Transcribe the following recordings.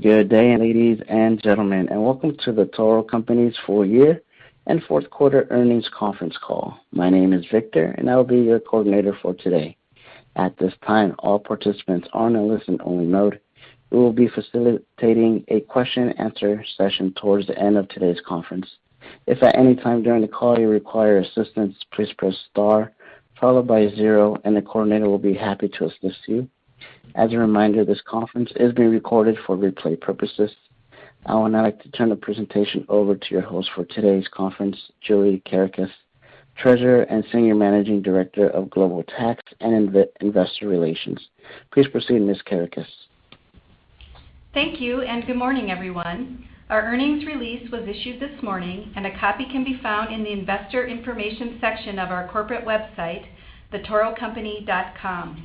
Good day, ladies and gentlemen, and welcome to The Toro Company's full year and fourth quarter earnings conference call. My name is Victor and I will be your coordinator for today. At this time, all participants are on a listen only mode. We will be facilitating a question and answer session towards the end of today's conference. If at any time during the call you require assistance, please press star followed by zero, and the coordinator will be happy to assist you. As a reminder, this conference is being recorded for replay purposes. I would now like to turn the presentation over to your host for today's conference, Julie Kerekes, Treasurer and Senior Managing Director of Global Tax and Investor Relations. Please proceed, Ms. Kerekes. Thank you and good morning, everyone. Our earnings release was issued this morning and a copy can be found in the investor information section of our corporate website, thetorocompany.com.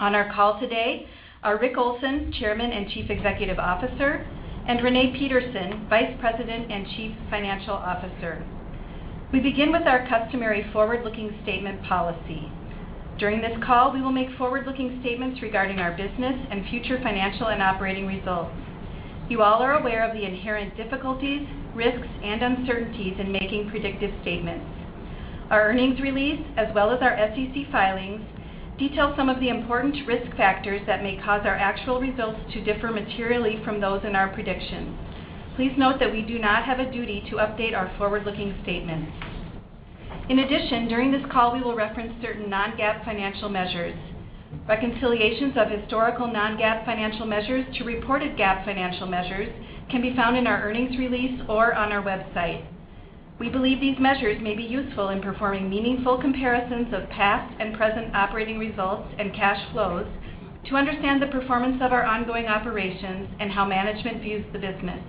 On our call today are Rick Olson, Chairman and Chief Executive Officer, and Renee Peterson, Vice President and Chief Financial Officer. We begin with our customary forward-looking statement policy. During this call, we will make forward-looking statements regarding our business and future financial and operating results. You all are aware of the inherent difficulties, risks, and uncertainties in making predictive statements. Our earnings release, as well as our SEC filings, detail some of the important risk factors that may cause our actual results to differ materially from those in our predictions. Please note that we do not have a duty to update our forward-looking statements. In addition, during this call, we will reference certain non-GAAP financial measures. Reconciliations of historical non-GAAP financial measures to reported GAAP financial measures can be found in our earnings release or on our website. We believe these measures may be useful in performing meaningful comparisons of past and present operating results and cash flows to understand the performance of our ongoing operations and how management views the business.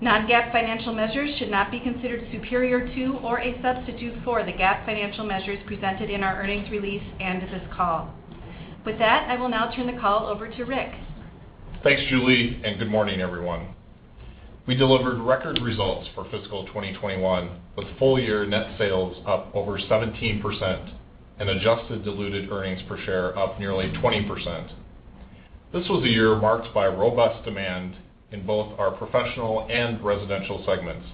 Non-GAAP financial measures should not be considered superior to or a substitute for the GAAP financial measures presented in our earnings release and this call. With that, I will now turn the call over to Rick. Thanks, Julie, and good morning, everyone. We delivered record results for fiscal 2021 with full year net sales up over 17% and adjusted diluted earnings per share up nearly 20%. This was a year marked by robust demand in both our Professional and Residential segments.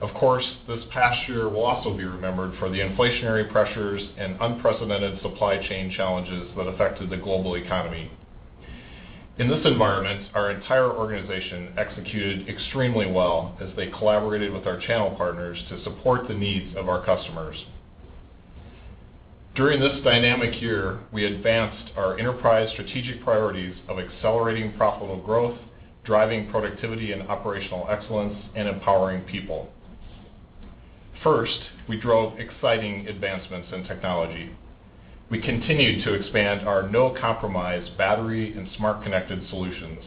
Of course, this past year will also be remembered for the inflationary pressures and unprecedented supply chain challenges that affected the global economy. In this environment, our entire organization executed extremely well as they collaborated with our channel partners to support the needs of our customers. During this dynamic year, we advanced our enterprise strategic priorities of accelerating profitable growth, driving productivity and operational excellence, and empowering people. First, we drove exciting advancements in technology. We continued to expand our no-compromise battery and smart connected solutions.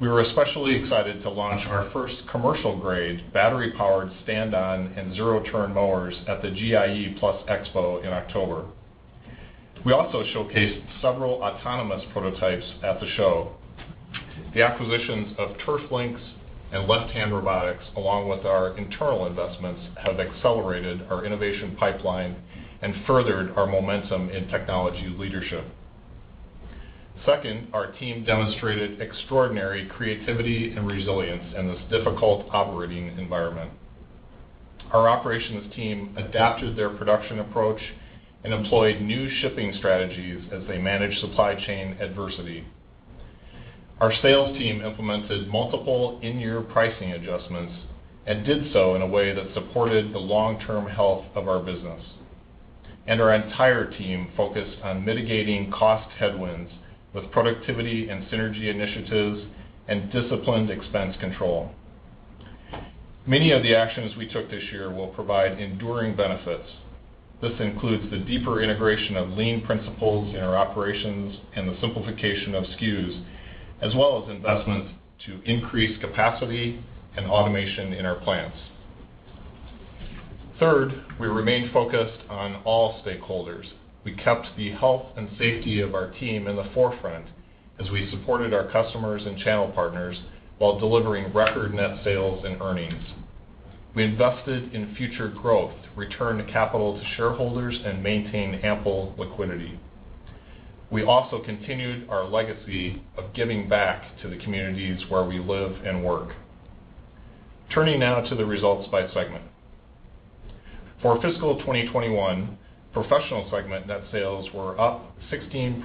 We were especially excited to launch our first commercial grade battery-powered stand-on and zero-turn mowers at the GIE+EXPO in October. We also showcased several autonomous prototypes at the show. The acquisitions of Turflynx and Left Hand Robotics, along with our internal investments, have accelerated our innovation pipeline and furthered our momentum in technology leadership. Second, our team demonstrated extraordinary creativity and resilience in this difficult operating environment. Our operations team adapted their production approach and employed new shipping strategies as they managed supply chain adversity. Our sales team implemented multiple in-year pricing adjustments and did so in a way that supported the long-term health of our business. Our entire team focused on mitigating cost headwinds with productivity and synergy initiatives and disciplined expense control. Many of the actions we took this year will provide enduring benefits. This includes the deeper integration of lean principles in our operations and the simplification of SKUs, as well as investments to increase capacity and automation in our plants. Third, we remained focused on all stakeholders. We kept the health and safety of our team in the forefront as we supported our customers and channel partners while delivering record net sales and earnings. We invested in future growth, returned capital to shareholders, and maintained ample liquidity. We also continued our legacy of giving back to the communities where we live and work. Turning now to the results by segment. For fiscal 2021, Professional segment net sales were up 16%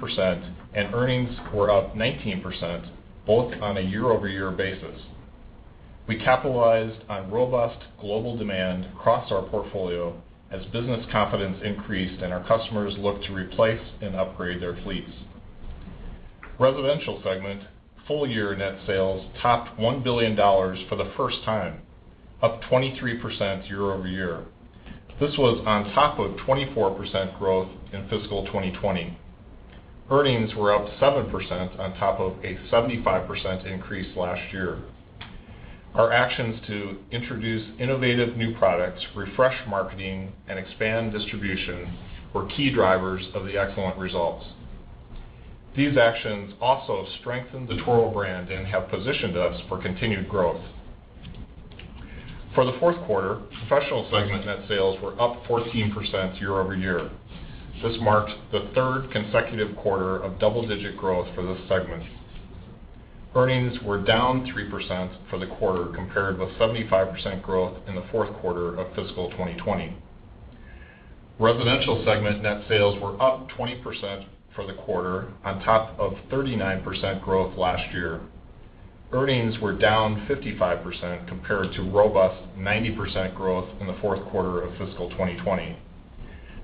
and earnings were up 19%, both on a year-over-year basis. We capitalized on robust global demand across our portfolio as business confidence increased and our customers looked to replace and upgrade their fleets. Residential segment full year net sales topped $1 billion for the first time, up 23% year-over-year. This was on top of 24% growth in fiscal 2020. Earnings were up 7% on top of a 75% increase last year. Our actions to introduce innovative new products, refresh marketing, and expand distribution were key drivers of the excellent results. These actions also strengthened the Toro brand and have positioned us for continued growth. For the fourth quarter, Professional segment net sales were up 14% year-over-year. This marked the third consecutive quarter of double-digit growth for this segment. Earnings were down 3% for the quarter compared with 75% growth in the fourth quarter of fiscal 2020. Residential segment net sales were up 20% for the quarter on top of 39% growth last year. Earnings were down 55% compared to robust 90% growth in the fourth quarter of fiscal 2020.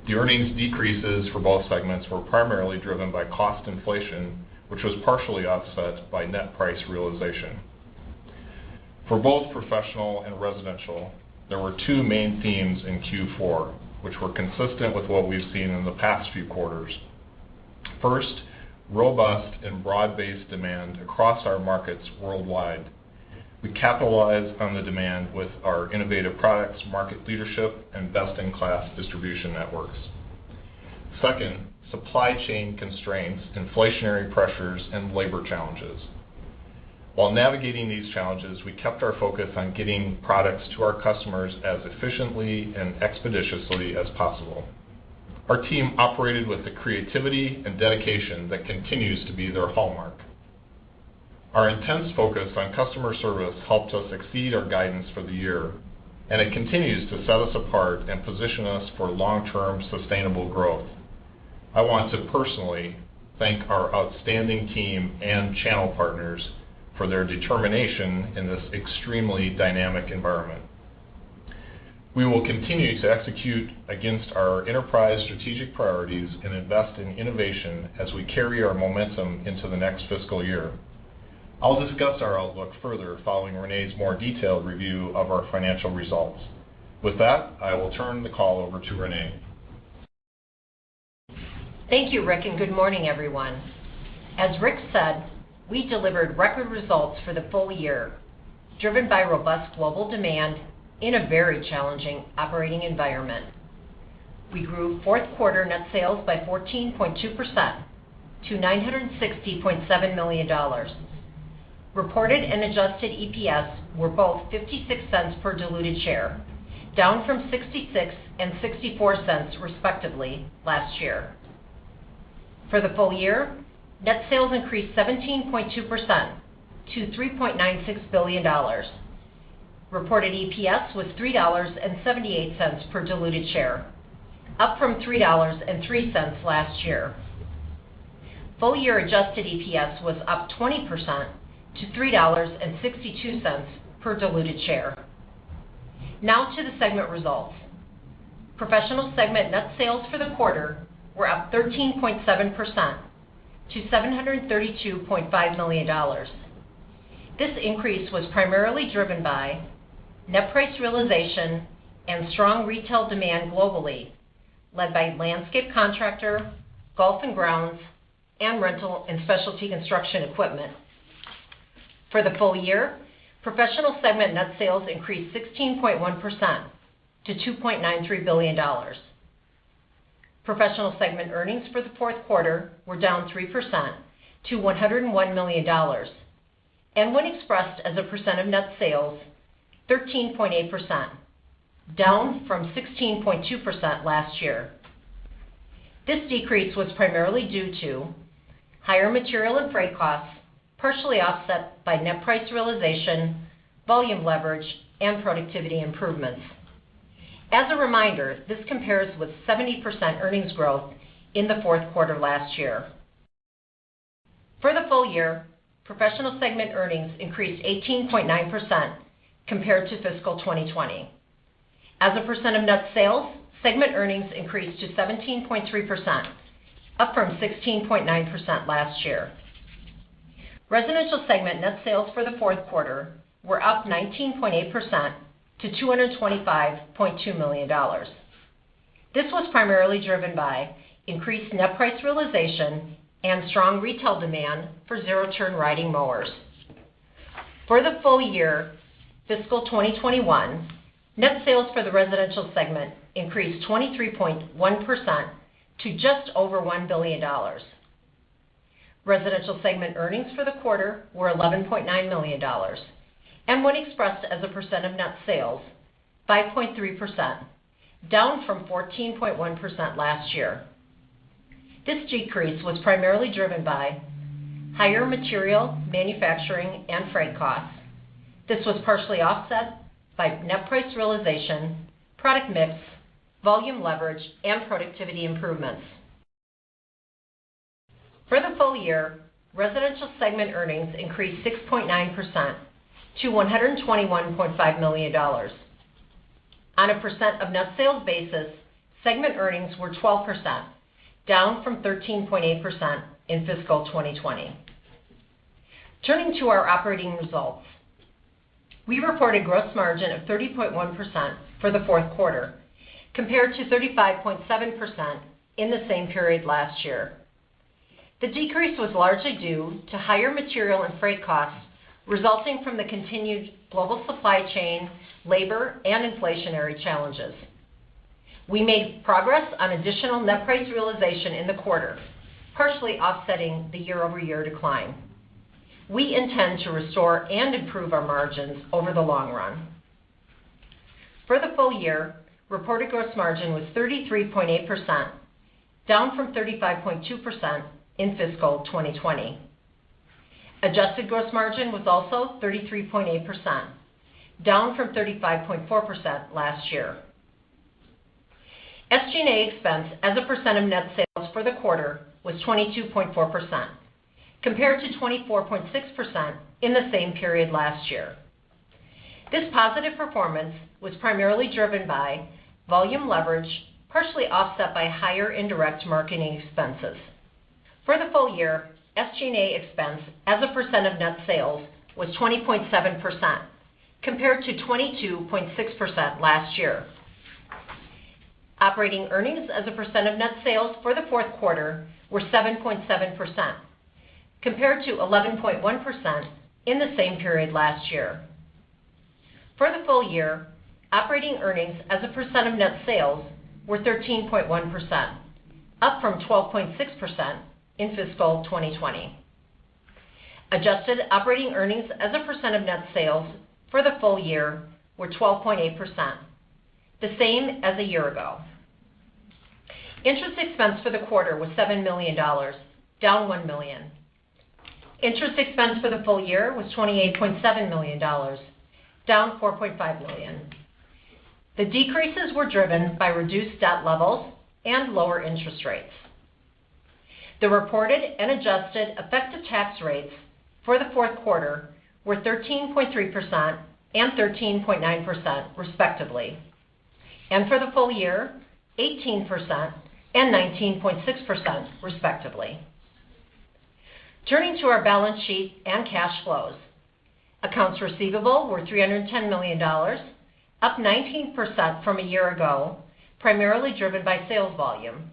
The earnings decreases for both segments were primarily driven by cost inflation, which was partially offset by net price realization. For both Professional and Residential, there were two main themes in Q4, which were consistent with what we've seen in the past few quarters. First, robust and broad-based demand across our markets worldwide. We capitalized on the demand with our innovative products, market leadership, and best-in-class distribution networks. Second, supply chain constraints, inflationary pressures, and labor challenges. While navigating these challenges, we kept our focus on getting products to our customers as efficiently and expeditiously as possible. Our team operated with the creativity and dedication that continues to be their hallmark. Our intense focus on customer service helped us exceed our guidance for the year, and it continues to set us apart and position us for long-term sustainable growth. I want to personally thank our outstanding team and channel partners for their determination in this extremely dynamic environment. We will continue to execute against our enterprise strategic priorities and invest in innovation as we carry our momentum into the next fiscal year. I'll discuss our outlook further following Renee's more detailed review of our financial results. With that, I will turn the call over to Renee. Thank you, Rick, and good morning, everyone. As Rick said, we delivered record results for the full year, driven by robust global demand in a very challenging operating environment. We grew fourth quarter net sales by 14.2% to $960.7 million. Reported and adjusted EPS were both $0.56 per diluted share, down from $0.66 and $0.64, respectively, last year. For the full year, net sales increased 17.2% to $3.96 billion. Reported EPS was $3.78 per diluted share, up from $3.03 last year. Full year adjusted EPS was up 20% to $3.62 per diluted share. Now to the segment results. Professional segment net sales for the quarter were up 13.7% to $732.5 million. This increase was primarily driven by net price realization and strong retail demand globally, led by landscape contractor, golf and grounds, and rental and specialty construction equipment. For the full year, Professional segment net sales increased 16.1% to $2.93 billion. Professional segment earnings for the fourth quarter were down 3% to $101 million, and when expressed as a percent of net sales, 13.8%, down from 16.2% last year. This decrease was primarily due to higher material and freight costs, partially offset by net price realization, volume leverage, and productivity improvements. As a reminder, this compares with 70% earnings growth in the fourth quarter last year. For the full year, Professional segment earnings increased 18.9% compared to fiscal 2020. As a percent of net sales, segment earnings increased to 17.3%, up from 16.9% last year. Residential segment net sales for the fourth quarter were up 19.8% to $225.2 million. This was primarily driven by increased net price realization and strong retail demand for zero-turn riding mowers. For the full year fiscal 2021, net sales for the Residential segment increased 23.1% to just over $1 billion. Residential segment earnings for the quarter were $11.9 million, and when expressed as a percent of net sales, 5.3%, down from 14.1% last year. This decrease was primarily driven by higher material, manufacturing, and freight costs. This was partially offset by net price realization, product mix, volume leverage, and productivity improvements. For the full year, Residential segment earnings increased 6.9% to $121.5 million. On a percent of net sales basis, segment earnings were 12%, down from 13.8% in fiscal 2020. Turning to our operating results. We reported gross margin of 30.1% for the fourth quarter, compared to 35.7% in the same period last year. The decrease was largely due to higher material and freight costs resulting from the continued global supply chain, labor, and inflationary challenges. We made progress on additional net price realization in the quarter, partially offsetting the year-over-year decline. We intend to restore and improve our margins over the long run. For the full year, reported gross margin was 33.8%, down from 35.2% in fiscal 2020. Adjusted gross margin was also 33.8%, down from 35.4% last year. SG&A expense as a percent of net sales for the quarter was 22.4% compared to 24.6% in the same period last year. This positive performance was primarily driven by volume leverage, partially offset by higher indirect marketing expenses. For the full year, SG&A expense as a percent of net sales was 20.7% compared to 22.6% last year. Operating earnings as a percent of net sales for the fourth quarter were 7.7% compared to 11.1% in the same period last year. For the full year, operating earnings as a percent of net sales were 13.1%, up from 12.6% in fiscal 2020. Adjusted operating earnings as a percent of net sales for the full year were 12.8%, the same as a year ago. Interest expense for the quarter was $7 million, down $1 million. Interest expense for the full year was $28.7 million, down $4.5 million. The decreases were driven by reduced debt levels and lower interest rates. The reported and adjusted effective tax rates for the fourth quarter were 13.3% and 13.9% respectively, and for the full year, 18% and 19.6% respectively. Turning to our balance sheet and cash flows. Accounts receivable were $310 million, up 19% from a year ago, primarily driven by sales volume.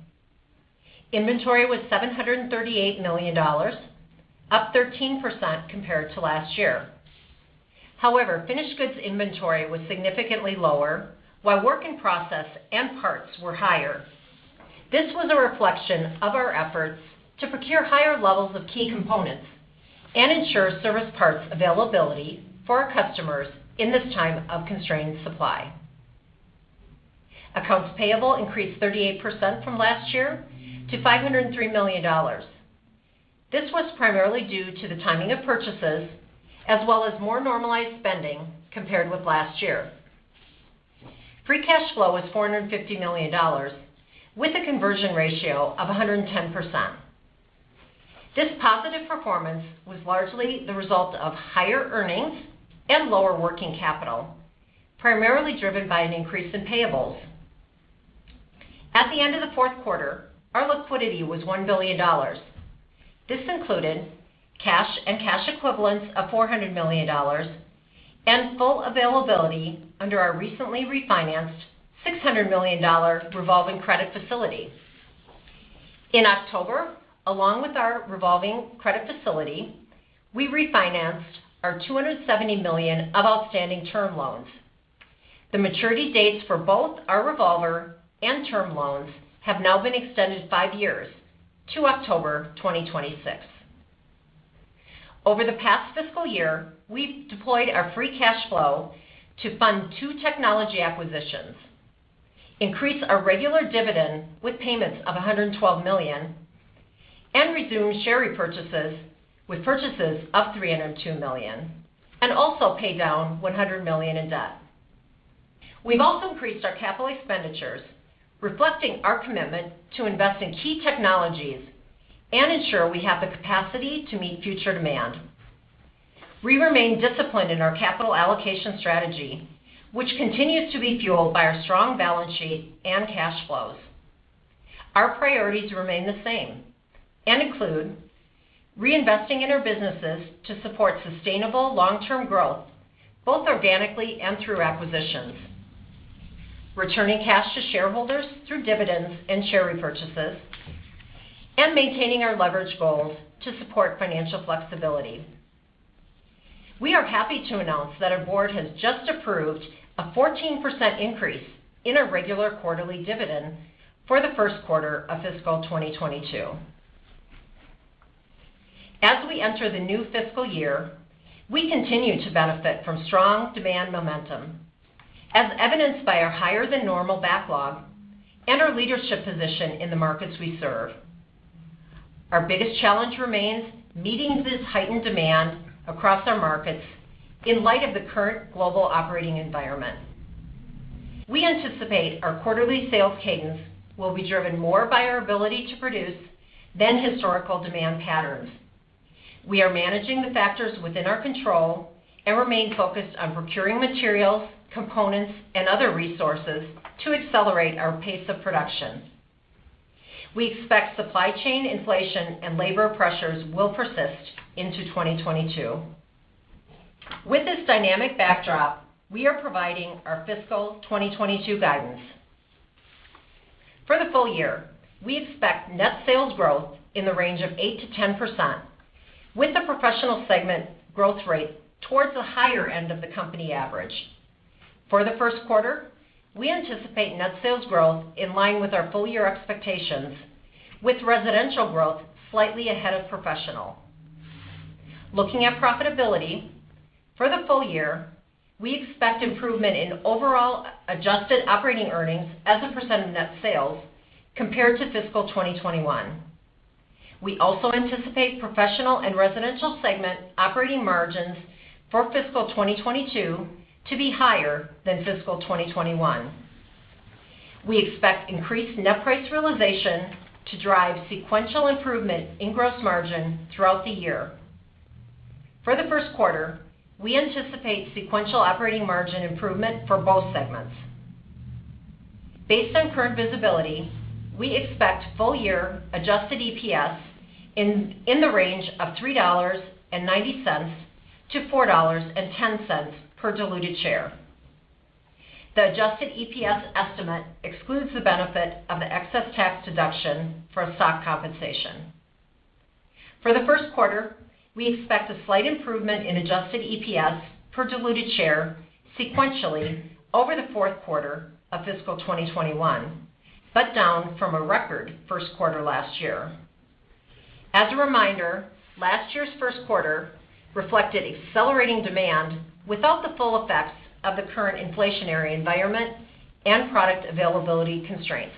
Inventory was $738 million, up 13% compared to last year. However, finished goods inventory was significantly lower while work in process and parts were higher. This was a reflection of our efforts to procure higher levels of key components and ensure service parts availability for our customers in this time of constrained supply. Accounts payable increased 38% from last year to $503 million. This was primarily due to the timing of purchases as well as more normalized spending compared with last year. Free cash flow was $450 million with a conversion ratio of 110%. This positive performance was largely the result of higher earnings and lower working capital, primarily driven by an increase in payables. At the end of the fourth quarter, our liquidity was $1 billion. This included cash and cash equivalents of $400 million and full availability under our recently refinanced $600 million revolving credit facility. In October, along with our revolving credit facility, we refinanced our $270 million of outstanding term loans. The maturity dates for both our revolver and term loans have now been extended five years to October 2026. Over the past fiscal year, we've deployed our free cash flow to fund two technology acquisitions, increase our regular dividend with payments of $112 million, and resume share repurchases with purchases of $302 million, and also pay down $100 million in debt. We've also increased our capital expenditures, reflecting our commitment to invest in key technologies and ensure we have the capacity to meet future demand. We remain disciplined in our capital allocation strategy, which continues to be fueled by our strong balance sheet and cash flows. Our priorities remain the same and include reinvesting in our businesses to support sustainable long-term growth, both organically and through acquisitions, returning cash to shareholders through dividends and share repurchases, and maintaining our leverage goals to support financial flexibility. We are happy to announce that our board has just approved a 14% increase in our regular quarterly dividend for the first quarter of fiscal 2022. As we enter the new fiscal year, we continue to benefit from strong demand momentum as evidenced by our higher than normal backlog and our leadership position in the markets we serve. Our biggest challenge remains meeting this heightened demand across our markets in light of the current global operating environment. We anticipate our quarterly sales cadence will be driven more by our ability to produce than historical demand patterns. We are managing the factors within our control and remain focused on procuring materials, components, and other resources to accelerate our pace of production. We expect supply chain inflation and labor pressures will persist into 2022. With this dynamic backdrop, we are providing our fiscal 2022 guidance. For the full year, we expect net sales growth in the range of 8%-10%, with the professional segment growth rate towards the higher end of the company average. For the first quarter, we anticipate net sales growth in line with our full year expectations, with residential growth slightly ahead of professional. Looking at profitability, for the full year, we expect improvement in overall adjusted operating earnings as a percent of net sales compared to fiscal 2021. We also anticipate professional and residential segment operating margins for fiscal 2022 to be higher than fiscal 2021. We expect increased net price realization to drive sequential improvement in gross margin throughout the year. For the first quarter, we anticipate sequential operating margin improvement for both segments. Based on current visibility, we expect full year adjusted EPS in the range of $3.90-$4.10 per diluted share. The adjusted EPS estimate excludes the benefit of the excess tax deduction for stock compensation. For the first quarter, we expect a slight improvement in adjusted EPS per diluted share sequentially over the fourth quarter of fiscal 2021, but down from a record first quarter last year. As a reminder, last year's first quarter reflected accelerating demand without the full effects of the current inflationary environment and product availability constraints.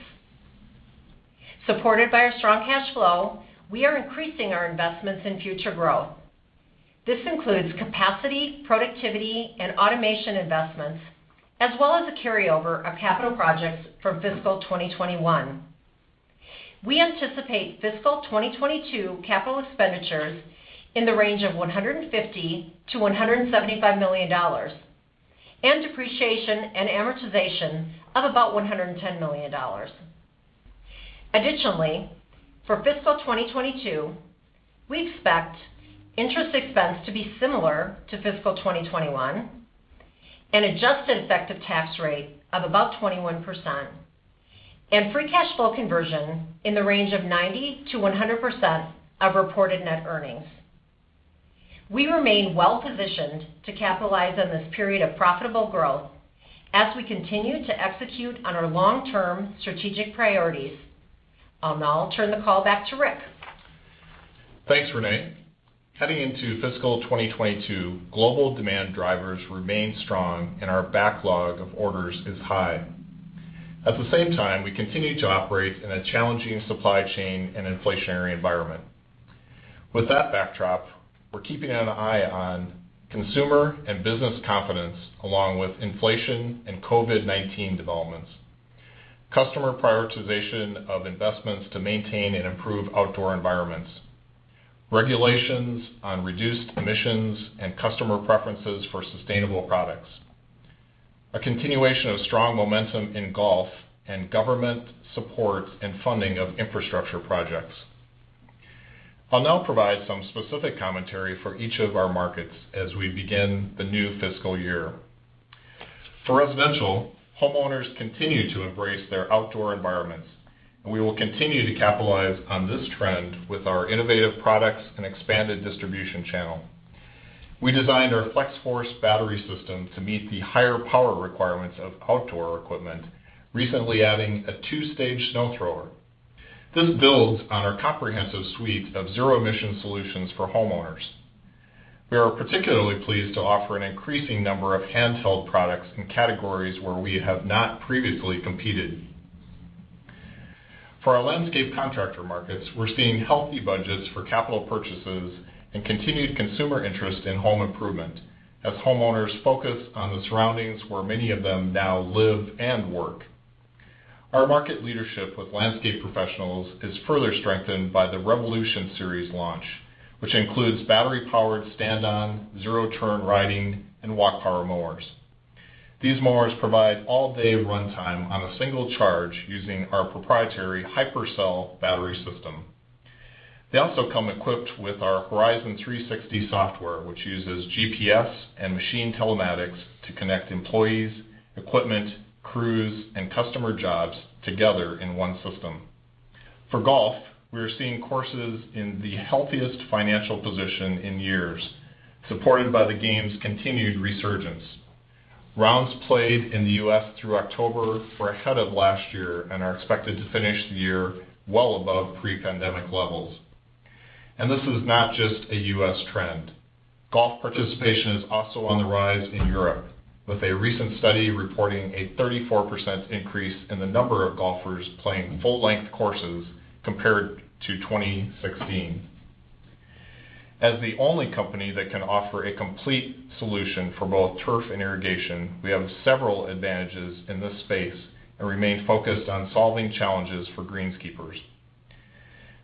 Supported by our strong cash flow, we are increasing our investments in future growth. This includes capacity, productivity, and automation investments, as well as a carryover of capital projects from fiscal 2021. We anticipate fiscal 2022 capital expenditures in the range of $150 million-$175 million and depreciation and amortization of about $110 million. Additionally, for fiscal 2022, we expect interest expense to be similar to fiscal 2021, an adjusted effective tax rate of about 21%, and free cash flow conversion in the range of 90%-100% of reported net earnings. We remain well-positioned to capitalize on this period of profitable growth as we continue to execute on our long-term strategic priorities. I'll now turn the call back to Rick. Thanks, Renee. Heading into fiscal 2022, global demand drivers remain strong and our backlog of orders is high. At the same time, we continue to operate in a challenging supply chain and inflationary environment. With that backdrop, we're keeping an eye on consumer and business confidence, along with inflation and COVID-19 developments, customer prioritization of investments to maintain and improve outdoor environments, regulations on reduced emissions and customer preferences for sustainable products, a continuation of strong momentum in golf and government support and funding of infrastructure projects. I'll now provide some specific commentary for each of our markets as we begin the new fiscal year. For residential, homeowners continue to embrace their outdoor environments, and we will continue to capitalize on this trend with our innovative products and expanded distribution channel. We designed our Flex-Force battery system to meet the higher power requirements of outdoor equipment, recently adding a two-stage snow thrower. This builds on our comprehensive suite of zero-emission solutions for homeowners. We are particularly pleased to offer an increasing number of handheld products in categories where we have not previously competed. For our landscape contractor markets, we're seeing healthy budgets for capital purchases and continued consumer interest in home improvement as homeowners focus on the surroundings where many of them now live and work. Our market leadership with landscape professionals is further strengthened by the Revolution Series launch, which includes battery-powered stand-on, zero-turn riding, and walk power mowers. These mowers provide all-day runtime on a single charge using our proprietary HyperCell battery system. They also come equipped with our Horizon360 software, which uses GPS and machine telematics to connect employees, equipment, crews, and customer jobs together in one system. For golf, we are seeing courses in the healthiest financial position in years, supported by the game's continued resurgence. Rounds played in the U.S. through October were ahead of last year and are expected to finish the year well above pre-pandemic levels. This is not just a U.S. trend. Golf participation is also on the rise in Europe, with a recent study reporting a 34% increase in the number of golfers playing full-length courses compared to 2016. As the only company that can offer a complete solution for both turf and irrigation, we have several advantages in this space and remain focused on solving challenges for greenskeepers.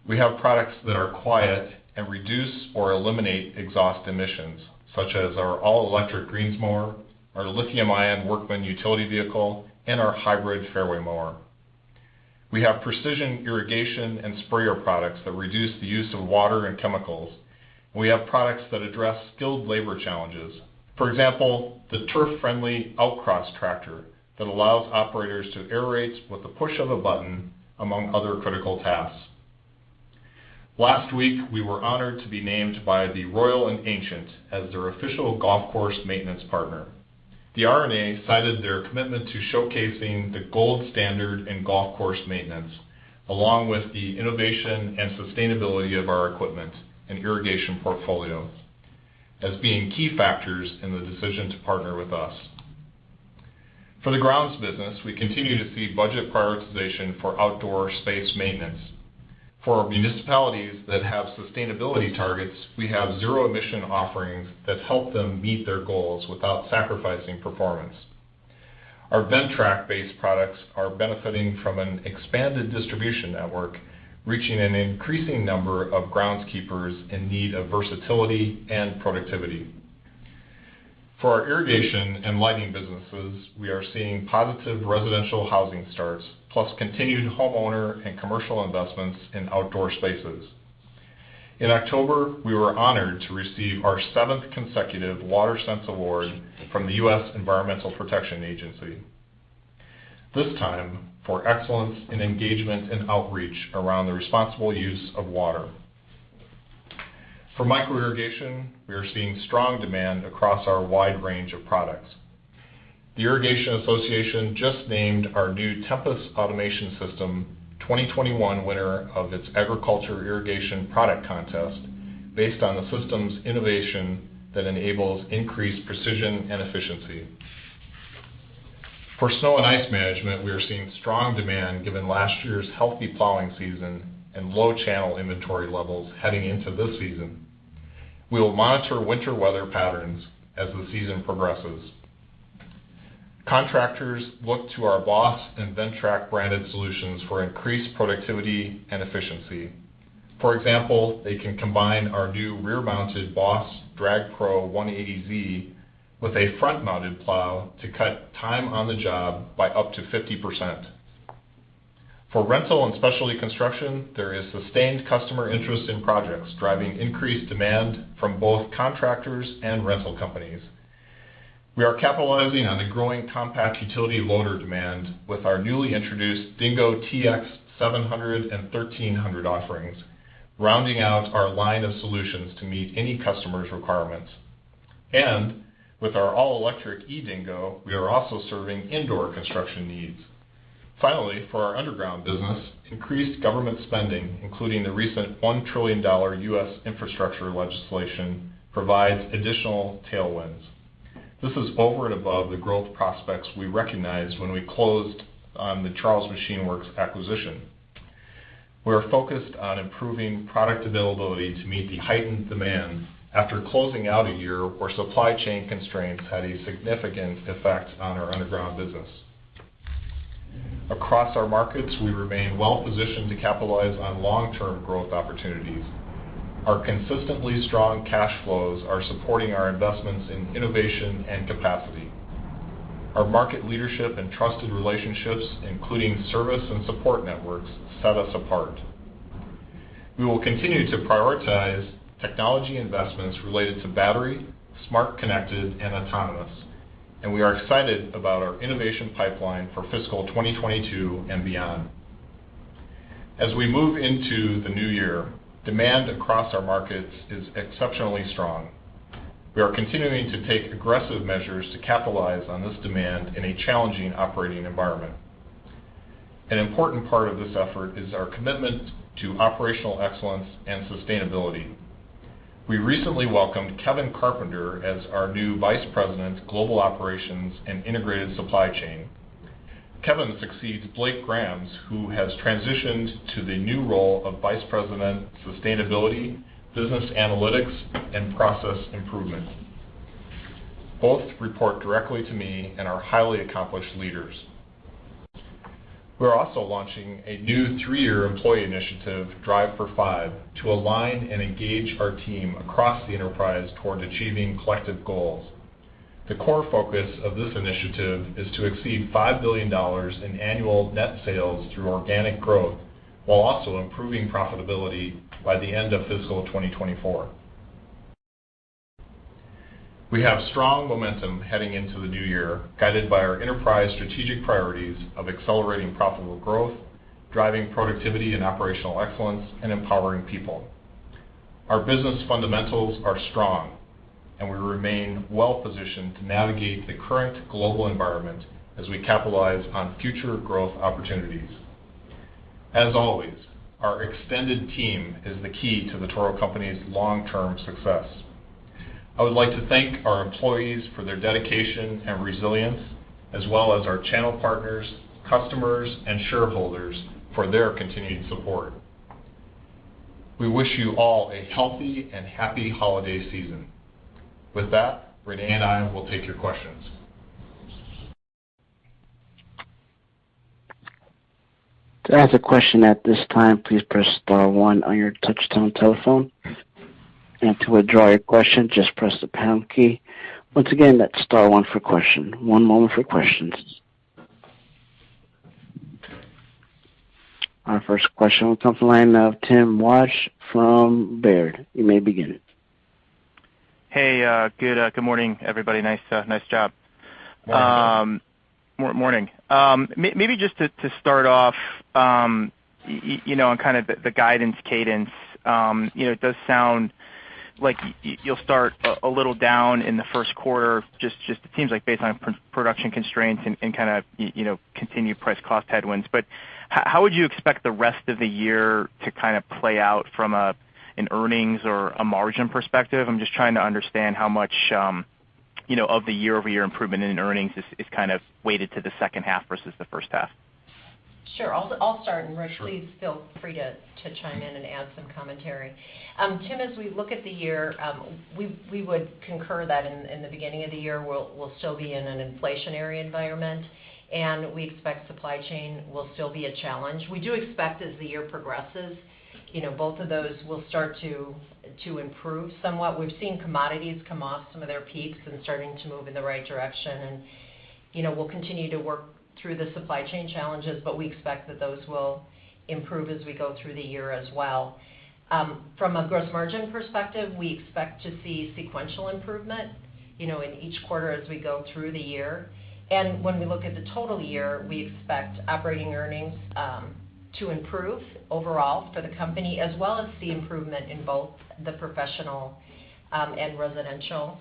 We have products that are quiet and reduce or eliminate exhaust emissions, such as our all-electric greens mower, our lithium-ion Workman utility vehicle, and our hybrid fairway mower. We have precision irrigation and sprayer products that reduce the use of water and chemicals. We have products that address skilled labor challenges. For example, the turf-friendly Outcross tractor that allows operators to aerate with the push of a button, among other critical tasks. Last week, we were honored to be named by The Royal & Ancient as their official golf course maintenance partner. The R&A cited their commitment to showcasing the gold standard in golf course maintenance, along with the innovation and sustainability of our equipment and irrigation portfolio as being key factors in the decision to partner with us. For the grounds business, we continue to see budget prioritization for outdoor space maintenance. For our municipalities that have sustainability targets, we have zero emission offerings that help them meet their goals without sacrificing performance. Our Ventrac-based products are benefiting from an expanded distribution network, reaching an increasing number of groundskeepers in need of versatility and productivity. For our irrigation and lighting businesses, we are seeing positive residential housing starts, plus continued homeowner and commercial investments in outdoor spaces. In October, we were honored to receive our seventh consecutive WaterSense award from the U.S. Environmental Protection Agency, this time for excellence in engagement and outreach around the responsible use of water. For micro irrigation, we are seeing strong demand across our wide range of products. The Irrigation Association just named our new Tempus automation system 2021 winner of its Agriculture Irrigation Product Contest based on the system's innovation that enables increased precision and efficiency. For snow and ice management, we are seeing strong demand given last year's healthy plowing season and low channel inventory levels heading into this season. We will monitor winter weather patterns as the season progresses. Contractors look to our BOSS and Ventrac branded solutions for increased productivity and efficiency. For example, they can combine our new rear-mounted BOSS Drag Pro 180Z with a front-mounted plow to cut time on the job by up to 50%. For rental and specialty construction, there is sustained customer interest in projects, driving increased demand from both contractors and rental companies. We are capitalizing on the growing compact utility loader demand with our newly introduced Dingo TX 700 and 1300 offerings, rounding out our line of solutions to meet any customer's requirements. With our all-electric eDingo, we are also serving indoor construction needs. Finally, for our underground business, increased government spending, including the recent $1 trillion U.S. infrastructure legislation, provides additional tailwinds. This is over and above the growth prospects we recognized when we closed on the Charles Machine Works acquisition. We are focused on improving product availability to meet the heightened demand after closing out a year where supply chain constraints had a significant effect on our underground business. Across our markets, we remain well positioned to capitalize on long-term growth opportunities. Our consistently strong cash flows are supporting our investments in innovation and capacity. Our market leadership and trusted relationships, including service and support networks, set us apart. We will continue to prioritize technology investments related to battery, smart, connected, and autonomous, and we are excited about our innovation pipeline for fiscal 2022 and beyond. As we move into the new year, demand across our markets is exceptionally strong. We are continuing to take aggressive measures to capitalize on this demand in a challenging operating environment. An important part of this effort is our commitment to operational excellence and sustainability. We recently welcomed Kevin Carpenter as our new Vice President, Global Operations and Integrated Supply Chain. Kevin succeeds Blake Grams, who has transitioned to the new role of Vice President, Sustainability, Business Analytics and Process Improvement. Both report directly to me and are highly accomplished leaders. We are also launching a new three-year employee initiative, Drive for Five, to align and engage our team across the enterprise toward achieving collective goals. The core focus of this initiative is to exceed $5 billion in annual net sales through organic growth while also improving profitability by the end of fiscal 2024. We have strong momentum heading into the new year, guided by our enterprise strategic priorities of accelerating profitable growth, driving productivity and operational excellence, and empowering people. Our business fundamentals are strong, and we remain well positioned to navigate the current global environment as we capitalize on future growth opportunities. As always, our extended team is the key to The Toro Company's long-term success. I would like to thank our employees for their dedication and resilience as well as our channel partners, customers, and shareholders for their continued support. We wish you all a healthy and happy holiday season. With that, Renee and I will take your questions. To ask a question at this time, please press star one on your touchtone telephone. To withdraw your question, just press the pound key. Once again, that's star one for question. One moment for questions. Our first question comes from the line of Tim Wojs from Baird. You may begin. Hey, good morning, everybody. Nice job. Morning. Morning. Maybe just to start off, you know, and kind of the guidance cadence, you know, it does sound like you'll start a little down in the first quarter, just it seems like based on production constraints and kinda you know, continued price cost headwinds. How would you expect the rest of the year to kind of play out from an earnings or a margin perspective? I'm just trying to understand how much, you know, of the year-over-year improvement in earnings is kind of weighted to the second half versus the first half. Sure. I'll start, and Rick. Sure. Please feel free to chime in and add some commentary. Tim, as we look at the year, we would concur that in the beginning of the year, we'll still be in an inflationary environment, and we expect supply chain will still be a challenge. We do expect as the year progresses, you know, both of those will start to improve somewhat. We've seen commodities come off some of their peaks and starting to move in the right direction. We'll continue to work through the supply chain challenges, but we expect that those will improve as we go through the year as well. From a gross margin perspective, we expect to see sequential improvement, you know, in each quarter as we go through the year. When we look at the total year, we expect operating earnings to improve overall for the company as well as see improvement in both the professional and residential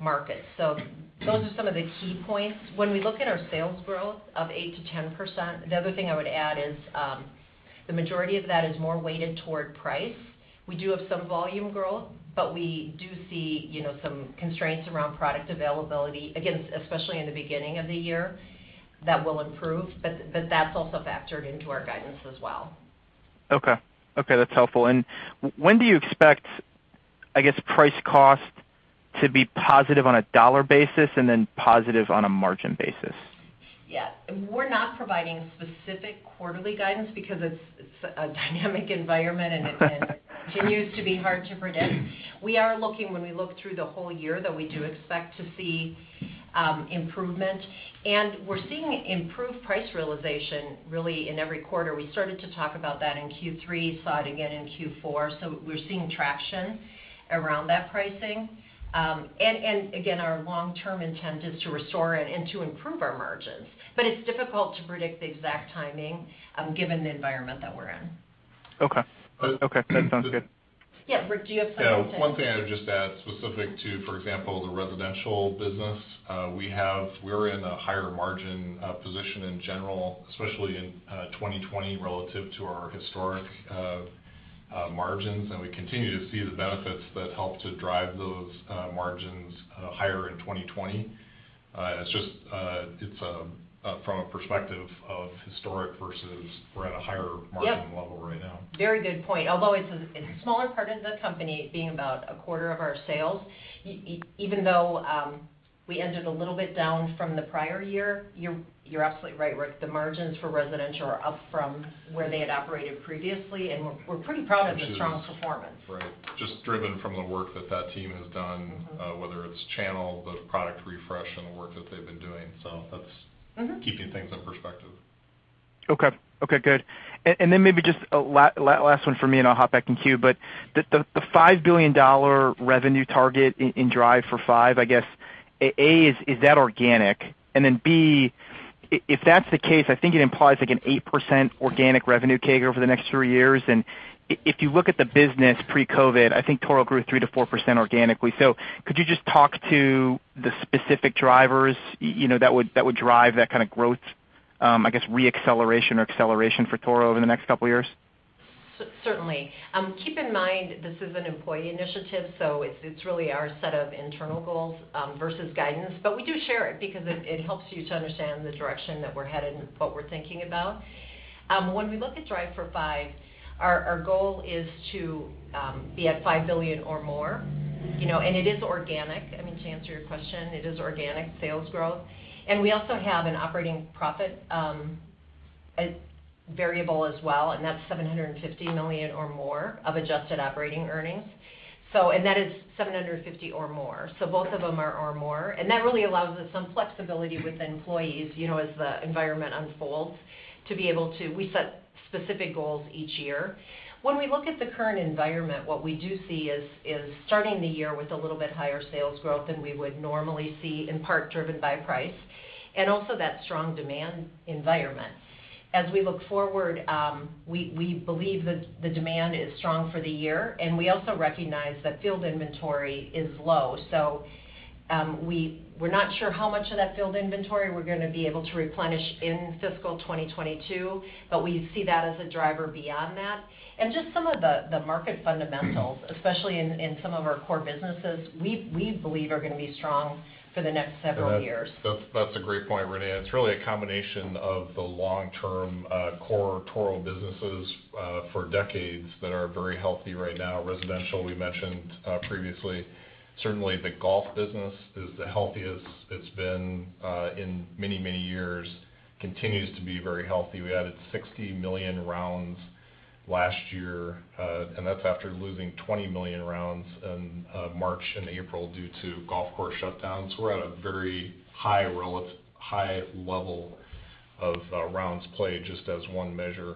markets. Those are some of the key points. When we look at our sales growth of 8%-10%, the other thing I would add is the majority of that is more weighted toward price. We do have some volume growth, but we do see, you know, some constraints around product availability, again, especially in the beginning of the year. That will improve, but that's also factored into our guidance as well. Okay. Okay, that's helpful. When do you expect, I guess, price cost to be positive on a dollar basis and then positive on a margin basis? Yeah. We're not providing specific quarterly guidance because it's a dynamic environment, and it continues to be hard to predict. We're looking when we look through the whole year that we do expect to see improvement, and we're seeing improved price realization really in every quarter. We started to talk about that in Q3, saw it again in Q4. We're seeing traction around that pricing. Again, our long-term intent is to restore and to improve our margins. It's difficult to predict the exact timing given the environment that we're in. Okay. That sounds good. Yeah, Rick, do you have something to- Yeah. One thing I would just add specific to, for example, the residential business. We're in a higher margin position in general, especially in 2020 relative to our historic margins. We continue to see the benefits that help to drive those margins higher in 2020. It's just from a perspective of historic versus we're at a higher margin. Yep -level right now. Very good point. Although it's a smaller part of the company being about a quarter of our sales, even though we ended a little bit down from the prior year, you're absolutely right, Rick. The margins for Residential are up from where they had operated previously, and we're pretty proud of the strong performance. Right. Just driven by the work that team has done. Mm-hmm Whether it's channel, the product refresh, and the work that they've been doing. That's- Mm-hmm Keeping things in perspective. Okay. Okay, good. Then maybe just a last one for me, and I'll hop back in queue. The $5 billion revenue target in Drive for Five, I guess, A, is that organic? Then, B, if that's the case, I think it implies, like, an 8% organic revenue CAGR over the next three years. If you look at the business pre-COVID, I think Toro grew 3%-4% organically. Could you just talk to the specific drivers, you know, that would drive that kind of growth, I guess re-acceleration or acceleration for Toro over the next couple of years? Certainly. Keep in mind this is an employee initiative, so it's really our set of internal goals versus guidance. We do share it because it helps you to understand the direction that we're headed and what we're thinking about. When we look at Drive for Five, our goal is to be at $5 billion or more, you know, and it is organic. I mean, to answer your question, it is organic sales growth. We also have an operating profit variable as well, and that's $750 million or more of adjusted operating earnings. That is $750 million or more, so both of them are or more. That really allows us some flexibility with employees, you know, as the environment unfolds, to be able to set specific goals each year. When we look at the current environment, what we do see is starting the year with a little bit higher sales growth than we would normally see, in part driven by price and also that strong demand environment. As we look forward, we believe the demand is strong for the year, and we also recognize that field inventory is low. We're not sure how much of that field inventory we're gonna be able to replenish in fiscal 2022, but we see that as a driver beyond that. Just some of the market fundamentals, especially in some of our core businesses, we believe are gonna be strong for the next several years. That's a great point, Renee. It's really a combination of the long-term core Toro businesses for decades that are very healthy right now. Residential, we mentioned previously. Certainly, the golf business is the healthiest it's been in many, many years. Continues to be very healthy. We added 60 million rounds last year, and that's after losing 20 million rounds in March and April due to golf course shutdowns. We're at a very high level of rounds played, just as one measure.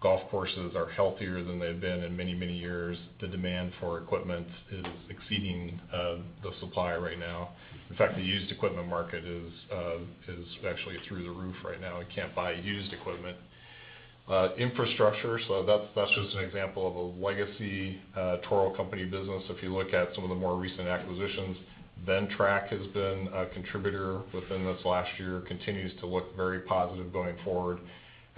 Golf courses are healthier than they've been in many, many years. The demand for equipment is exceeding the supply right now. In fact, the used equipment market is actually through the roof right now. You can't buy used equipment. Infrastructure, so that's just an example of a legacy Toro company business. If you look at some of the more recent acquisitions, Ventrac has been a contributor within this last year, continues to look very positive going forward.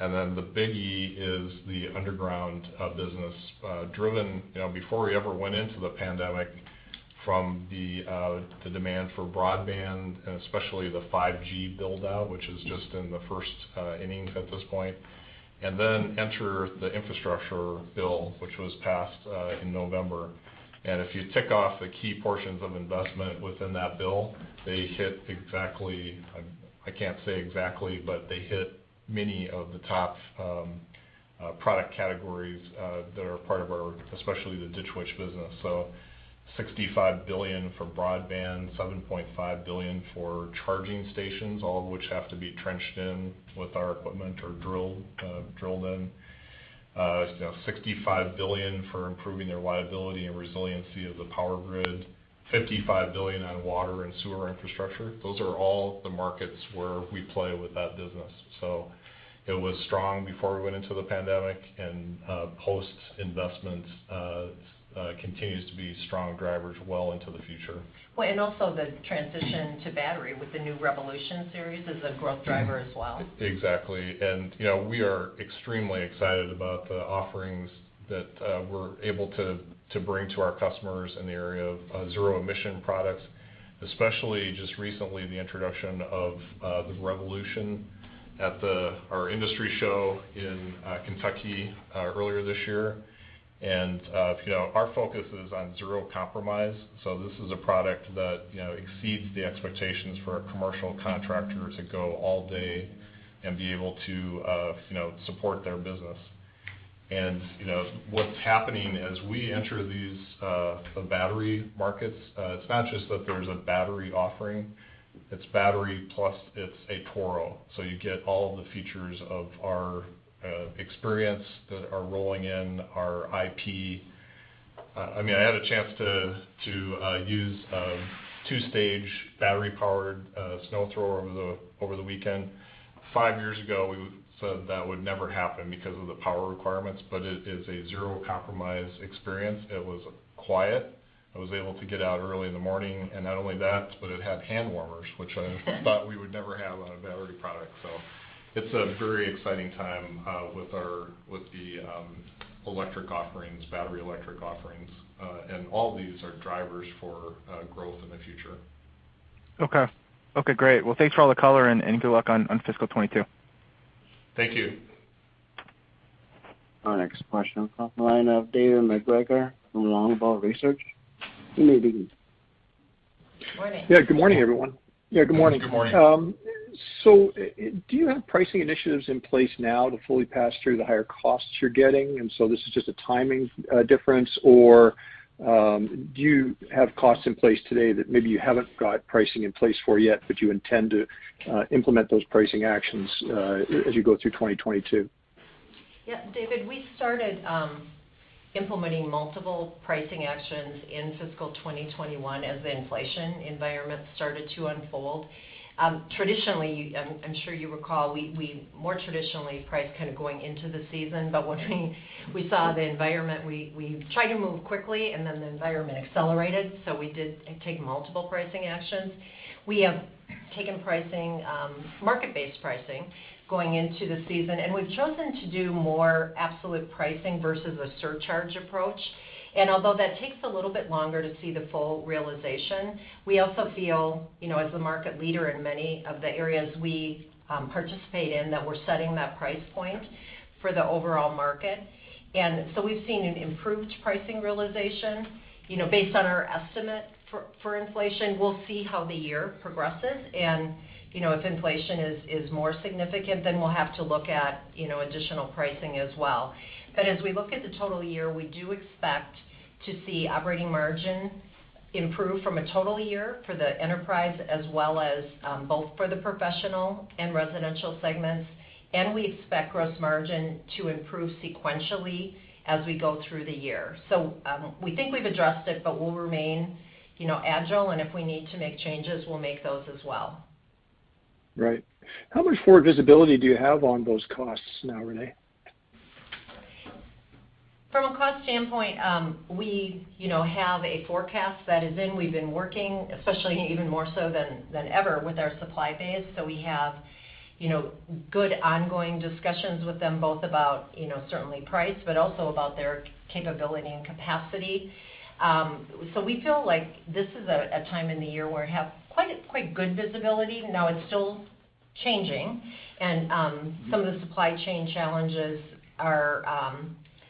The biggie is the underground business driven, you know, before we ever went into the pandemic from the demand for broadband, and especially the 5G build-out, which is just in the first innings at this point. Enter the infrastructure bill, which was passed in November. If you tick off the key portions of investment within that bill, they hit exactly. I can't say exactly, but they hit many of the top product categories that are part of our, especially the Ditch Witch business. $65 billion for broadband, $7.5 billion for charging stations, all of which have to be trenched in with our equipment or drilled in. You know, $65 billion for improving the reliability and resiliency of the power grid. $55 billion on water and sewer infrastructure. Those are all the markets where we play with that business. It was strong before we went into the pandemic, and post investment continues to be strong drivers well into the future. Well, the transition to battery with the new Revolution Series is a growth driver as well. Exactly. You know, we are extremely excited about the offerings that we're able to bring to our customers in the area of zero emission products, especially just recently the introduction of the Revolution at our industry show in Kentucky earlier this year. You know, our focus is on zero compromise, so this is a product that you know exceeds the expectations for a commercial contractor to go all day and be able to you know support their business. You know, what's happening as we enter these battery markets, it's not just that there's a battery offering, it's battery plus it's a Toro. You get all the features of our experience that are rolling in, our IP. I mean, I had a chance to use a two-stage battery-powered snow thrower over the weekend. Five years ago, we would've said that would never happen because of the power requirements, but it is a zero compromise experience. It was quiet. I was able to get out early in the morning, and not only that, but it had hand warmers, which I thought we would never have on a battery product. It's a very exciting time with our electric offerings, battery electric offerings. All these are drivers for growth in the future. Okay, great. Well, thanks for all the color and good luck on fiscal 2022. Thank you. Our next question comes from the line of David MacGregor from Longbow Research. You may begin. Morning. Yeah. Good morning, everyone. Yeah, good morning. Good morning. Do you have pricing initiatives in place now to fully pass through the higher costs you're getting, and so this is just a timing difference? Or, do you have costs in place today that maybe you haven't got pricing in place for yet, but you intend to implement those pricing actions as you go through 2022? Yeah. David, we started implementing multiple pricing actions in fiscal 2021 as the inflation environment started to unfold. Traditionally, I'm sure you recall, we more traditionally price kind of going into the season, but when we saw the environment, we tried to move quickly and then the environment accelerated, so we did take multiple pricing actions. We have taken pricing market-based pricing going into the season, and we've chosen to do more absolute pricing versus a surcharge approach. Although that takes a little bit longer to see the full realization, we also feel, you know, as the market leader in many of the areas we participate in, that we're setting that price point for the overall market. We've seen an improved pricing realization, you know, based on our estimate for inflation. We'll see how the year progresses and, you know, if inflation is more significant, then we'll have to look at, you know, additional pricing as well. As we look at the total year, we do expect to see operating margin improve from a total year for the enterprise as well as both for the professional and residential segments. We expect gross margin to improve sequentially as we go through the year. We think we've addressed it, but we'll remain, you know, agile, and if we need to make changes, we'll make those as well. Right. How much forward visibility do you have on those costs now, Renee? From a cost standpoint, we, you know, have a forecast that is in. We've been working, especially even more so than ever with our supply base, so we have, you know, good ongoing discussions with them, both about, you know, certainly price, but also about their capability and capacity. So we feel like this is a time in the year where we have quite good visibility. Now, it's still changing and some of the supply chain challenges are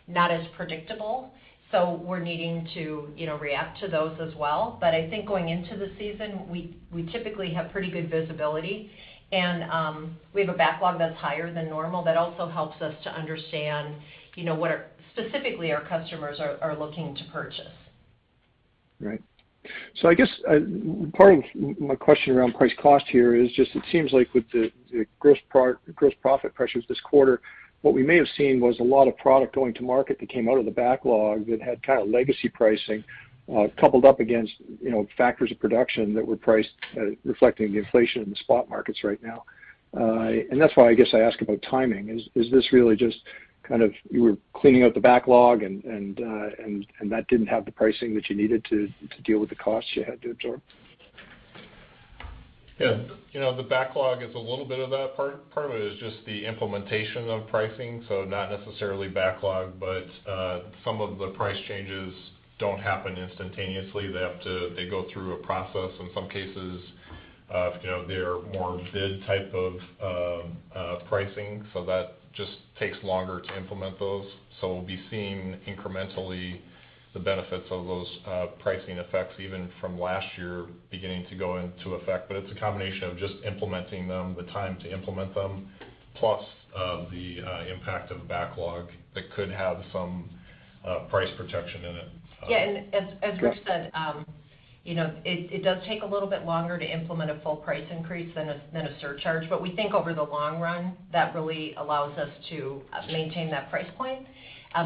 not as predictable, so we're needing to, you know, react to those as well. But I think going into the season, we typically have pretty good visibility, and we have a backlog that's higher than normal that also helps us to understand, you know, what specifically our customers are looking to purchase. Right. I guess part of my question around price cost here is just it seems like with the gross profit pressures this quarter, what we may have seen was a lot of product going to market that came out of the backlog that had kinda legacy pricing, coupled up against, you know, factors of production that were priced, reflecting the inflation in the spot markets right now. And that's why I guess I ask about timing. Is this really just kind of you were cleaning out the backlog and that didn't have the pricing that you needed to deal with the costs you had to absorb? Yeah. You know, the backlog is a little bit of that part. Part of it is just the implementation of pricing, so not necessarily backlog, but some of the price changes don't happen instantaneously. They go through a process. In some cases, you know, they're more bid type of pricing, so that just takes longer to implement those. So we'll be seeing incrementally the benefits of those pricing effects even from last year beginning to go into effect. But it's a combination of just implementing them, the time to implement them, plus the impact of backlog that could have some price protection in it. As Rick said, you know, it does take a little bit longer to implement a full price increase than a surcharge. We think over the long run, that really allows us to maintain that price point,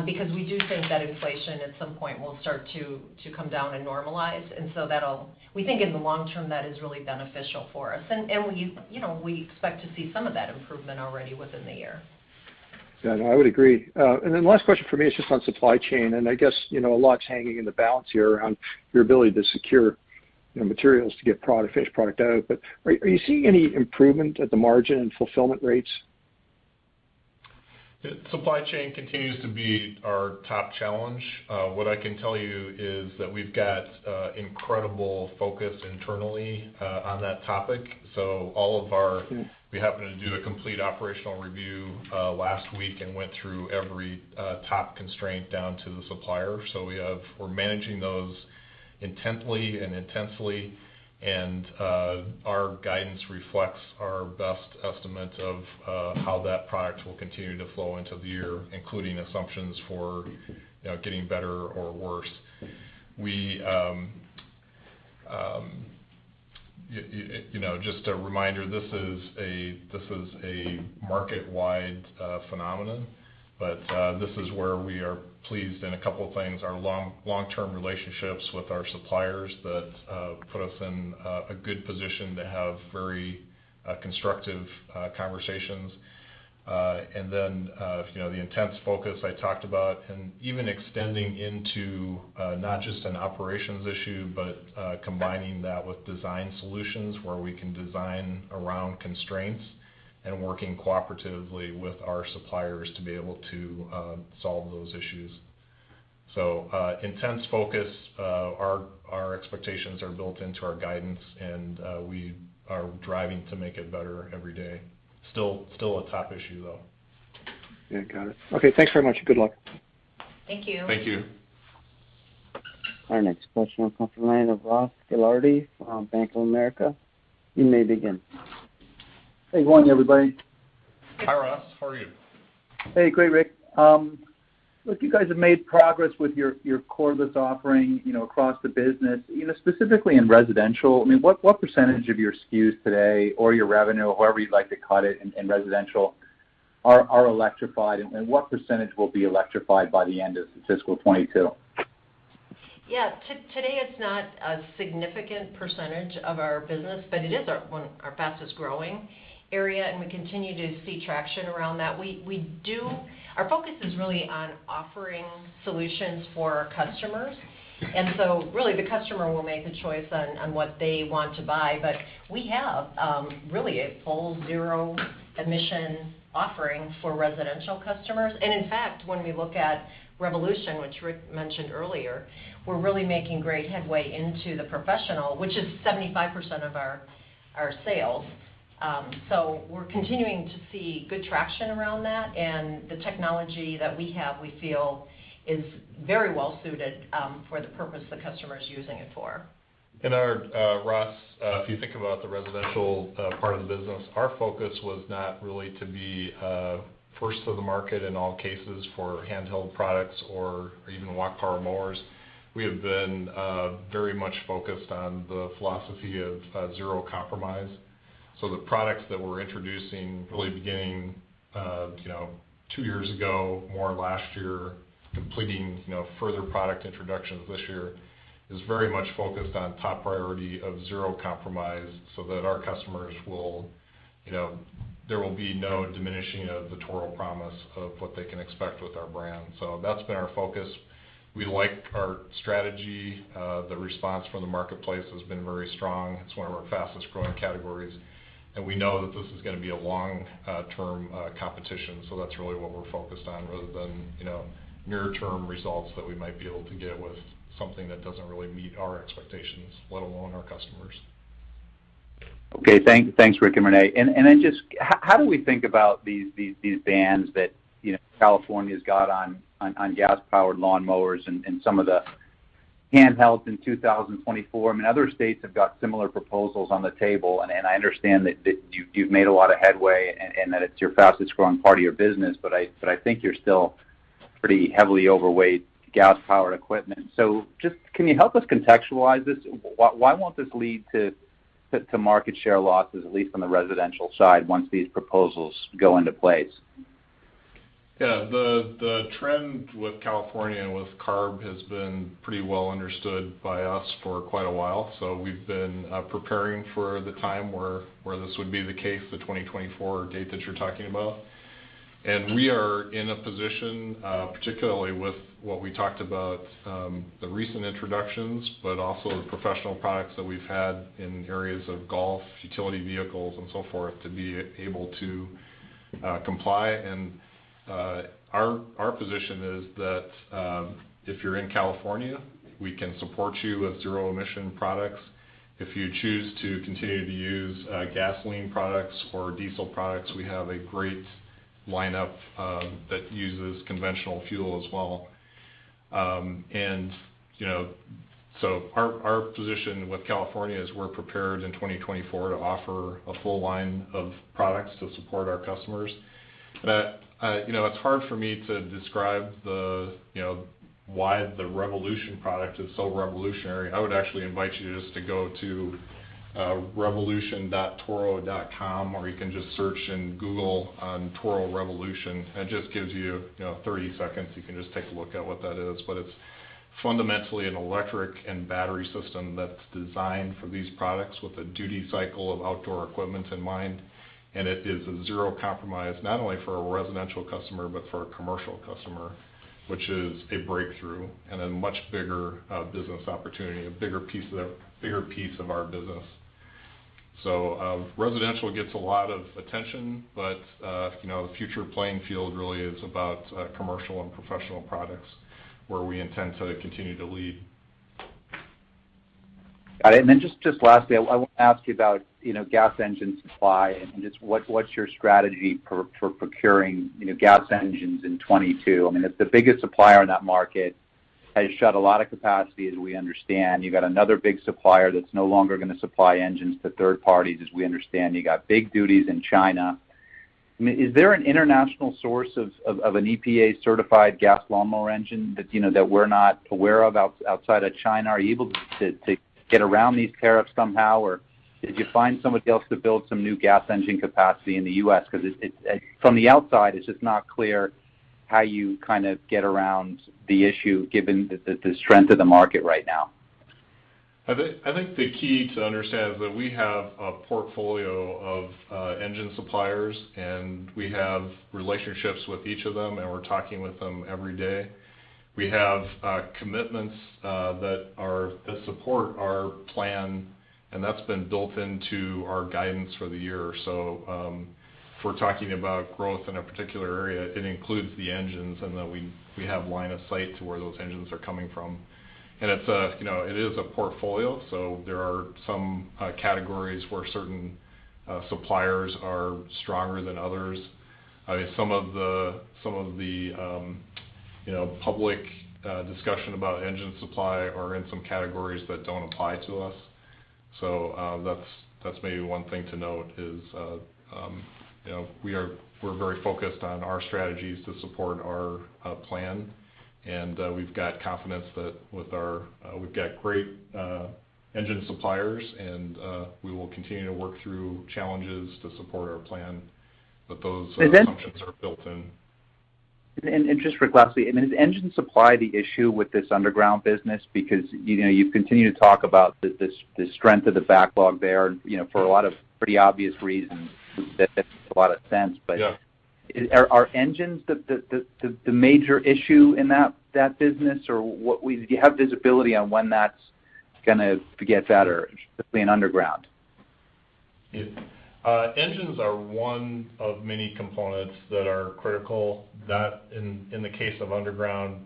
because we do think that inflation at some point will start to come down and normalize. We think in the long term, that is really beneficial for us. We expect to see some of that improvement already within the year. Yeah, no, I would agree. Last question from me is just on supply chain, and I guess, you know, a lot's hanging in the balance here around your ability to secure, you know, materials to get product, finished product out. Are you seeing any improvement at the margin in fulfillment rates? Supply chain continues to be our top challenge. What I can tell you is that we've got incredible focus internally on that topic. All of our- Mm-hmm. We happened to do a complete operational review last week and went through every top constraint down to the supplier. We're managing those intently and intensely, and our guidance reflects our best estimate of how that product will continue to flow into the year, including assumptions for, you know, getting better or worse. You know, just a reminder, this is a market-wide phenomenon, but this is where we are pleased in a couple things, our long-term relationships with our suppliers that put us in a good position to have very constructive conversations. You know, the intense focus I talked about, and even extending into, not just an operations issue, but combining that with design solutions where we can design around constraints and working cooperatively with our suppliers to be able to solve those issues. Intense focus. Our expectations are built into our guidance, and we are driving to make it better every day. Still a top issue, though. Yeah, got it. Okay, thanks very much. Good luck. Thank you. Thank you. Our next question will come from the line of Ross Gilardi from Bank of America. You may begin. Hey, good morning, everybody. Hi, Ross. How are you? Hey. Great, Rick. Look, you guys have made progress with your cordless offering, you know, across the business. You know, specifically in residential, I mean, what percentage of your SKUs today or your revenue, however you'd like to cut it, in residential are electrified, and what percentage will be electrified by the end of fiscal 2022? Yeah. Today it's not a significant percentage of our business, but it is one of our fastest growing area, and we continue to see traction around that. We do. Our focus is really on offering solutions for our customers. Really the customer will make the choice on what they want to buy. But we have really a full zero emission offering for residential customers. In fact, when we look at Revolution, which Rick mentioned earlier, we're really making great headway into the professional, which is 75% of our sales. We're continuing to see good traction around that, and the technology that we have, we feel is very well suited for the purpose the customer is using it for. Ross, if you think about the residential part of the business, our focus was not really to be first to the market in all cases for handheld products or even walk power mowers. We have been very much focused on the philosophy of zero compromise. The products that we're introducing really beginning you know two years ago, more last year, completing you know further product introductions this year, is very much focused on top priority of zero compromise so that our customers will you know there will be no diminishing of the Toro promise of what they can expect with our brand. That's been our focus. We like our strategy. The response from the marketplace has been very strong. It's one of our fastest growing categories. We know that this is gonna be a long term competition, so that's really what we're focused on rather than, you know, near term results that we might be able to get with something that doesn't really meet our expectations, let alone our customers. Okay. Thanks, Rick and Renee. How do we think about these bans that, you know, California's got on gas-powered lawnmowers and some of the handhelds in 2024? I mean, other states have got similar proposals on the table, and I understand that you've made a lot of headway and that it's your fastest growing part of your business. I think you're still pretty heavily overweight gas-powered equipment. Can you help us contextualize this? Why won't this lead to market share losses, at least on the residential side, once these proposals go into place? Yeah. The trend with California and with CARB has been pretty well understood by us for quite a while, so we've been preparing for the time where this would be the case, the 2024 date that you're talking about. We are in a position, particularly with what we talked about, the recent introductions, but also the professional products that we've had in areas of golf, utility vehicles and so forth, to be able to comply. Our position is that, if you're in California, we can support you with zero emission products. If you choose to continue to use gasoline products or diesel products, we have a great lineup that uses conventional fuel as well. You know, our position with California is we're prepared in 2024 to offer a full line of products to support our customers. You know, it's hard for me to describe the, you know, why the Revolution product is so revolutionary. I would actually invite you just to go to revolution.toro.com or you can just search in Google on Toro Revolution. It just gives you know, 30 seconds. You can just take a look at what that is. It's fundamentally an electric and battery system that's designed for these products with a duty cycle of outdoor equipment in mind. It is a zero compromise, not only for a residential customer, but for a commercial customer, which is a breakthrough and a much bigger business opportunity, a bigger piece of our business. Residential gets a lot of attention, but you know, the future playing field really is about commercial and professional products, where we intend to continue to lead. All right. Just lastly, I wanna ask you about, you know, gas engine supply and just what's your strategy for procuring, you know, gas engines in 2022? I mean, if the biggest supplier in that market has shut a lot of capacity, as we understand. You've got another big supplier that's no longer gonna supply engines to third parties, as we understand. You got big duties in China. I mean, is there an international source of an EPA-certified gas lawnmower engine that, you know, that we're not aware of outside of China? Are you able to get around these tariffs somehow, or did you find somebody else to build some new gas engine capacity in the U.S.? 'Cause it from the outside, it's just not clear how you kind of get around the issue, given the strength of the market right now. I think the key to understand is that we have a portfolio of engine suppliers, and we have relationships with each of them, and we're talking with them every day. We have commitments that support our plan, and that's been built into our guidance for the year. If we're talking about growth in a particular area, it includes the engines and that we have line of sight to where those engines are coming from. It's a, you know, it is a portfolio, so there are some categories where certain suppliers are stronger than others. I mean, some of the, you know, public discussion about engine supply are in some categories that don't apply to us. That's maybe one thing to note is, you know, we're very focused on our strategies to support our plan. We've got confidence that we've got great engine suppliers and we will continue to work through challenges to support our plan, but those- And then- Assumptions are built in. Just Rick, lastly, I mean, is engine supply the issue with this underground business? Because, you know, you've continued to talk about the strength of the backlog there, you know, for a lot of pretty obvious reasons. That makes a lot of sense, but. Yeah. Are engines the major issue in that business? Do you have visibility on when that's gonna get better, specifically in underground? Yeah. Engines are one of many components that are critical. That, in the case of underground,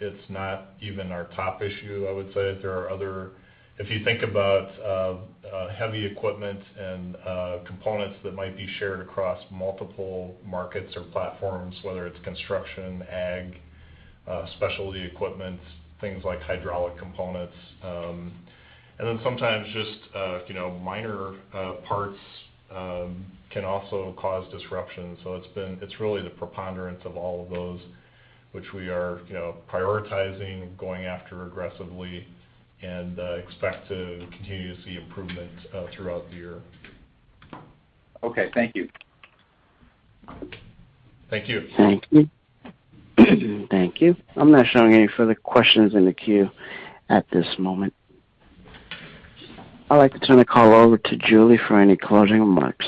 it's not even our top issue, I would say. There are other. If you think about heavy equipment and components that might be shared across multiple markets or platforms, whether it's construction, ag, specialty equipment, things like hydraulic components, and then sometimes just, you know, minor parts, can also cause disruption. It's been. It's really the preponderance of all of those which we are, you know, prioritizing, going after aggressively, and expect to continue to see improvement throughout the year. Okay. Thank you. Thank you. Thank you. Thank you. I'm not showing any further questions in the queue at this moment. I'd like to turn the call over to Julie for any closing remarks.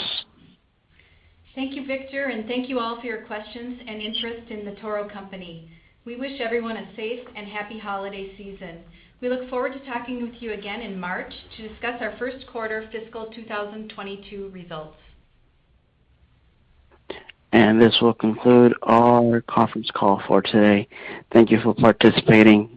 Thank you, Victor, and thank you all for your questions and interest in The Toro Company. We wish everyone a safe and happy holiday season. We look forward to talking with you again in March to discuss our first quarter fiscal 2022 results. This will conclude our conference call for today. Thank you for participating.